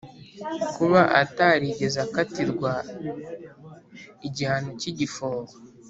kuba atarigeze akatirwa igihano cy’igifungo